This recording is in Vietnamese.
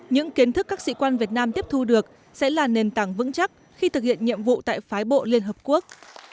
những kiến thức các sĩ quan việt nam tiếp thu được sẽ là nền tảng vững chắc khi thực hiện nhiệm vụ tại phái bộ liên hợp quốc